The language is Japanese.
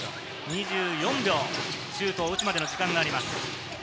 ２４秒、シュートを打つまでの時間があります。